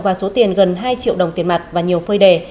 và số tiền gần hai triệu đồng tiền mặt và nhiều phơi đề